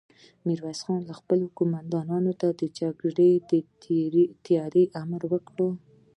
ميرويس نيکه خپلو قوماندانانو ته د جګړې د تياري امر وکړ.